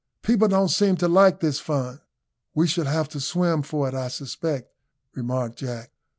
"People don't seem to like this fun." "We shall have to swim for it, I suspect," remarked Jack.